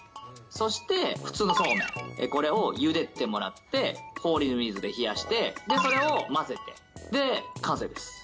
そして、普通のそうめん、これをゆでてもらって、氷水で冷やして、それを混ぜて、完成です。